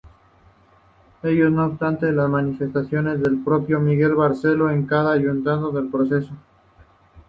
Ello no obstante, las manifestaciones del propio Miquel Barceló en nada ayudaron al proyecto.